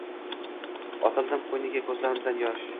Otildim qo’yniga, ko’zlarimda yosh.